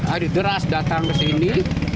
adu deras datang ke sini